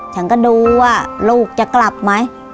ฉันก็ดูว่าลูกจะกลับไหม